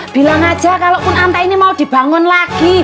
bilang aja kalaupun anta ini mau dibangun lagi